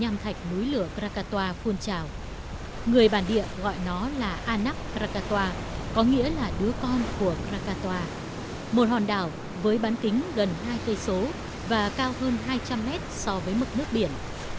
hãy đăng kí cho kênh lalaschool để không bỏ lỡ những video hấp dẫn